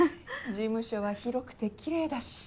事務所は広くてきれいだし。